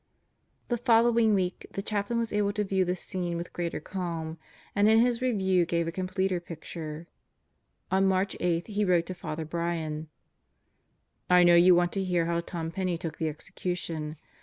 The following week the Chaplain was able to view the scene with greater calm and in his review gave a completer picture. On March 8 lie wrote to Father Brian. I know you want to hear how Tom Penney took the execution.